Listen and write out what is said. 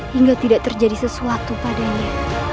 hingga tidak terjadi sesuatu padanya